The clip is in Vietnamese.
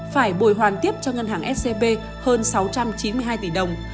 phải bồi hoàn tiếp cho ngân hàng scb hơn sáu trăm chín mươi hai tỷ đồng